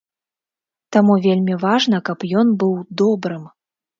Таму вельмі важна, каб ён быў добрым.